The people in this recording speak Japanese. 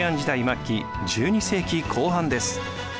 末期１２世紀後半です。